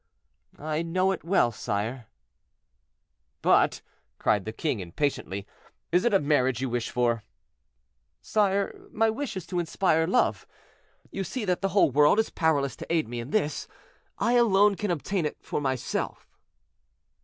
"I know it well, sire." "But," cried the king, impatiently, "is it a marriage you wish for?" "Sire, my wish is to inspire love. You see that the whole world is powerless to aid me in this; I alone can obtain it for myself."